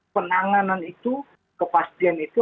penanganan itu kepastian itu